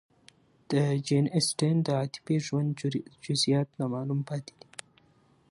د جین اسټن د عاطفي ژوند جزئیات نامعلوم پاتې دي.